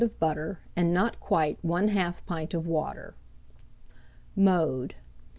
of butter, and not quite 1/2 pint of water. Mode.